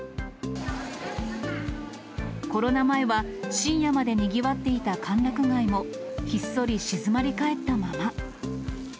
コロナ前は深夜までにぎわっていた歓楽街も、ひっそり静まり返ったまま。